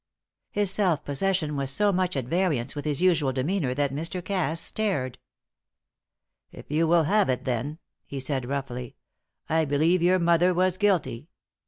His self possession was so much at variance with his usual demeanour that Mr. Cass stared. "If you will have it, then," he said roughly, "I believe your mother was guilty.